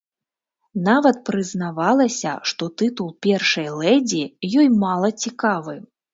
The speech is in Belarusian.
Нават прызнавалася, што тытул першай лэдзі ёй мала цікавы.